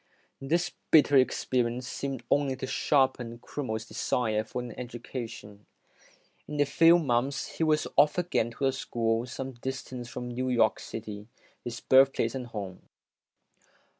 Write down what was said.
This bitter experience seemed only to sharpen Crummeirs desire for an education. In a few months, he was off again to a school some distance from New York City his birthplace and home.